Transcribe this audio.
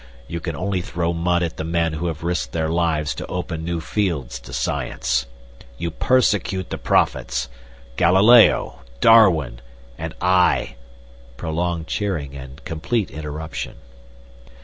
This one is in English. You can only throw mud at the men who have risked their lives to open new fields to science. You persecute the prophets! Galileo! Darwin, and I " (Prolonged cheering and complete interruption.)